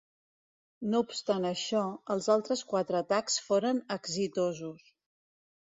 No obstant això, els altres quatre atacs foren exitosos.